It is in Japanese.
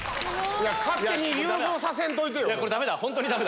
勝手に誘導させんといてよ！